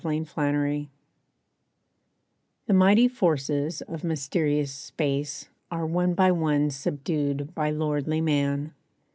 =Uncontrolled= The mighty forces of mysterious space Are one by one subdued by lordly man.